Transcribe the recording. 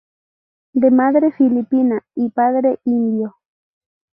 De madre filipina y padre indio.